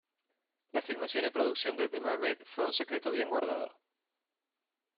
La filmación y producción de "The Mermaid" fue un secreto bien guardado.